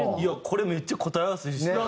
これめっちゃ答え合わせしたい。